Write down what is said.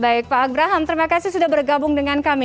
baik pak abraham terima kasih sudah bergabung dengan kami